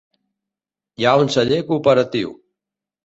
Hi ha un celler cooperatiu.